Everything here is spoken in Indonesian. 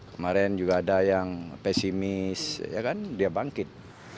kemarin juga ada yang pesimis ya kan dia bangkit